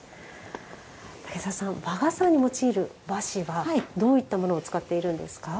竹澤さん、和傘に用いる和紙はどういったものを使っているんですか？